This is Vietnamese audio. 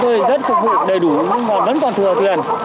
thuyền về chúng tôi thì rất phục vụ đầy đủ nhưng mà vẫn còn thừa thuyền